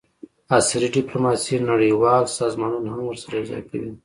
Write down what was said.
عصري ډیپلوماسي نړیوال سازمانونه هم ورسره یوځای کوي